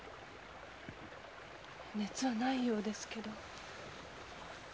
熱はないようですけど。